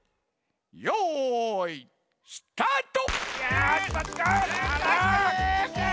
よいスタート！